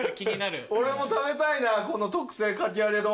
俺も食べたいな特製かき揚丼。